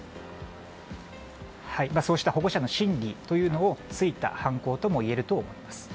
そうした保護者の心理を突いた犯行だともいえると思います。